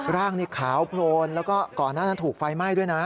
ร่างนี้ขาวโพลนเหลือก่อนหน้านั้นถูกไฟหมายด้วยนะ